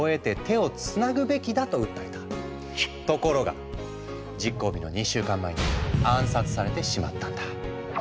ところが実行日の２週間前に暗殺されてしまったんだ。